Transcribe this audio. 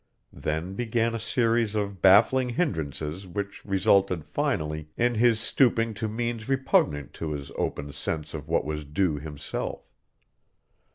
Then began a series of baffling hindrances which resulted finally in his stooping to means repugnant to his open sense of what was due himself.